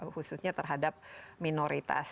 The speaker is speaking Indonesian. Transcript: khususnya terhadap minoritas